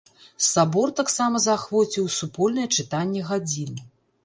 Сабор таксама заахвоціў супольнае чытанне гадзін.